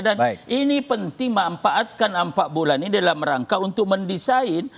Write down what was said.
dan ini penting memanfaatkan empat bulan ini dalam rangka untuk mendesain